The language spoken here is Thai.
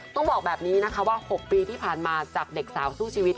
ต้องบอกแบบนี้นะคะว่า๖ปีที่ผ่านมาจากเด็กสาวสู้ชีวิต